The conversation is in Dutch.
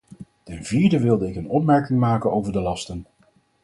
Ten vierde wilde ik een opmerking maken over de lasten.